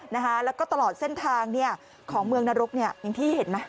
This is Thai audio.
แล้วก็ตลอดเส้นทางเนี่ยของเมืองนรกเนี่ยอย่างที่เห็นไหม